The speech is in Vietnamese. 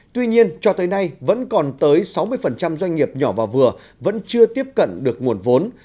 tuy nhiên cho tới nay vẫn còn tới sáu mươi doanh nghiệp nhỏ và vừa vẫn chưa tiếp cận được nguồn vốn